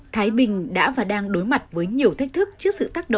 thái bình đã và đang đối mặt với nhiều thách thức trước sự tắt đổi